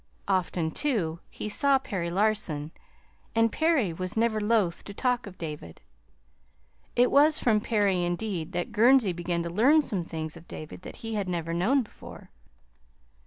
Often, too, he saw Perry Larson; and Perry was never loath to talk of David. It was from Perry, indeed, that Gurnsey began to learn some things of David that he had never known before.